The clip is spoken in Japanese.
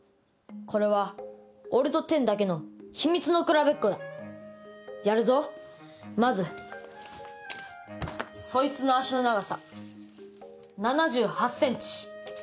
これは俺とてんだけの秘密の比べっこやるぞまずそいつの足の長さ７８ｃｍ